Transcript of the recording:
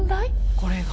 これが？